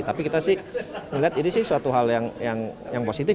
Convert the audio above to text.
tapi kita sih melihat ini sih suatu hal yang positif